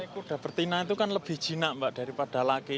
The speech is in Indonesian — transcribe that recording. kuda betina itu kan lebih jina mbak daripada laki